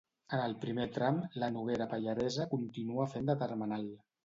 En el primer tram, la Noguera Pallaresa continuava fent de termenal.